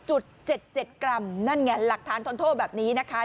จุดเจ็ดเจ็ดกรัมนั่นไงหลักฐานทนโทษแบบนี้นะคะ